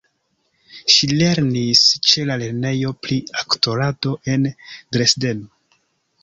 Ŝi lernis ĉe la lernejo pri aktorado en Dresdeno.